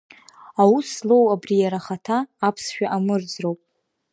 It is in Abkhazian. Аус злоу убри иара ахаҭа, аԥсшәа амырӡроуп…